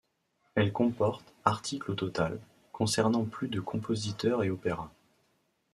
Elle comporte articles au total, concernant plus de compositeurs et opéras.